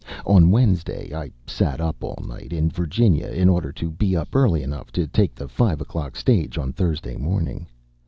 On Wednesday, I sat up all night, in Virginia, in order to be up early enough to take the five o'clock stage on Thursday morning.